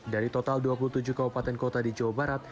dari total dua puluh tujuh kabupaten kota di jawa barat